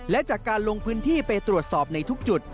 และจากการลงพื้นที่ไปตรวจสอบในทุกจุด